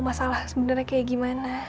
masalah sebenarnya kayak gimana